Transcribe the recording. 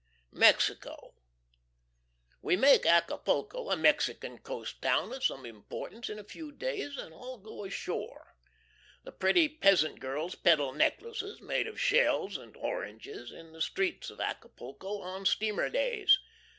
4.3. MEXICO. We make Acapulco, a Mexican coast town of some importance, in a few days, and all go ashore. The pretty peasant girls peddle necklaces made of shells and oranges, in the streets of Acapulco, on steamer days.